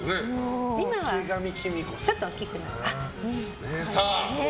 今はちょっと大きくなった。